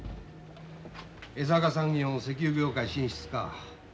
江坂産業の石油業界進出か。